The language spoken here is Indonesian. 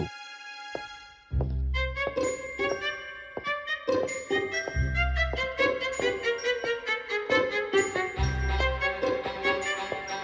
dan setelah berjaga jaga oliver menemukan tanda tanda dari tuan brownlow